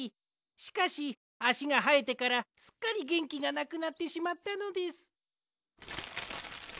しかしあしがはえてからすっかりげんきがなくなってしまったのです。